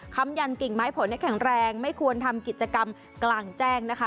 คำยันกิ่งไม้ผลแข็งแรงไม่ควรทำกิจกรรมกลางแจ้งนะคะ